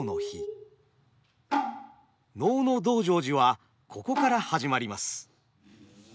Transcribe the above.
能の「道成寺」はここから始まります。